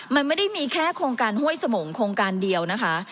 มันไม่ได้มีแค่โครงการห้วยสมงโครงการเดียวนะคะ